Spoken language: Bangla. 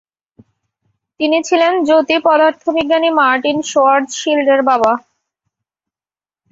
তিনি ছিলেন জ্যোতিঃপদার্থবিজ্ঞানী মার্টিন শোয়ার্জশিল্ডের বাবা।